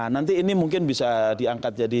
nanti ini mungkin bisa diangkat jadi